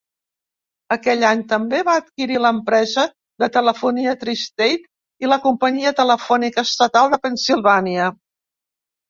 Aquell any també va adquirir l'empresa de telefonia Tri-State i la companyia telefònica estatal de Pennsylvania.